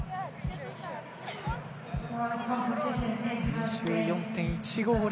２４．１５０